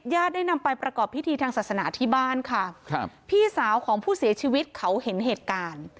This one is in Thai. ได้นำไปประกอบพิธีทางศาสนาที่บ้านค่ะครับพี่สาวของผู้เสียชีวิตเขาเห็นเหตุการณ์